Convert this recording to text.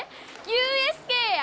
ＵＳＫや！